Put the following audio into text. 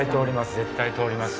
絶対通ります。